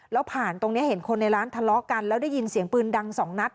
แล้วผ่านตรงนี้เห็นคนในร้านทะเลาะกันแล้วได้ยินเสียงปืนดังสองนัด